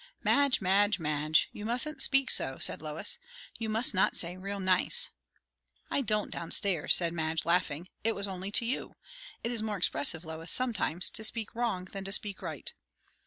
"Madge, Madge, Madge! you mustn't speak so," said Lois. "You must not say 'real nice.'" "I don't, down stairs," said Madge, laughing. "It was only to you. It is more expressive, Lois, sometimes, to speak wrong than to speak right."